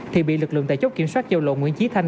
thì bị lực lượng tài chốc kiểm soát giao lộ nguyễn chí thanh